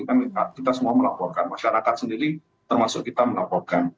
kan kita semua melaporkan masyarakat sendiri termasuk kita melaporkan